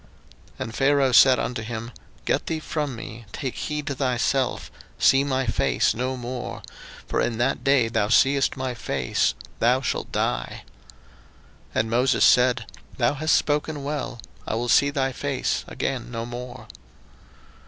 02:010:028 And Pharaoh said unto him, Get thee from me, take heed to thyself, see my face no more; for in that day thou seest my face thou shalt die. 02:010:029 And Moses said, Thou hast spoken well, I will see thy face again no more.